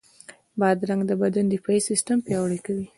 بادرنګ د بدن دفاعي سیستم پیاوړی کوي.